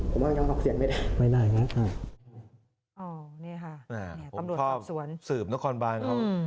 พูดสหรัฐเกาหลีได้ไหม